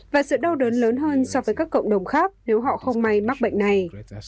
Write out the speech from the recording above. và sự đau đớn lớn hơn so với các cộng đồng khác nếu họ không may mắc bệnh này